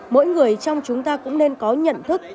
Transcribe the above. mỗi người trong chúng ta cũng nên có nhận thức